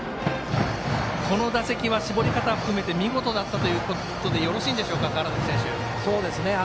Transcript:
この打席は絞り方含めて見事だったといってよろしいんでしょうか川原崎選手。